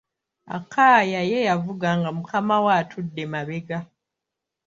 Akaya ye yavuga nga mukama we atudde mabega.